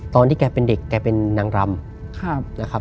ตอนที่แกเป็นเด็กแกเป็นนางรำ